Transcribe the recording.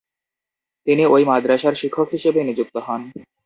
তিনি ঐ মাদ্রাসার শিক্ষক হিসেবে নিযুক্ত হন।